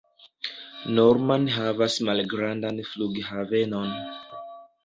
Norman havas malgrandan flughavenon.